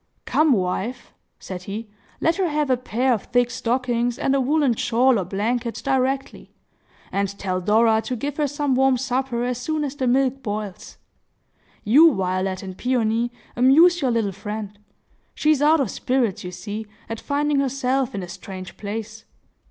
"Come wife," said he, "let her have a pair of thick stockings and a woollen shawl or blanket directly; and tell Dora to give her some warm supper as soon as the milk boils. You, Violet and Peony, amuse your little friend. She is out of spirits, you see, at finding herself in a strange place.